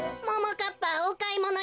かっぱおかいものにいくわよ。